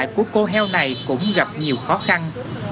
của cô heo này cũng gặp nhiều khó khăn